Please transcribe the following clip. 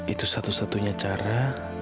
itu satu satunya cara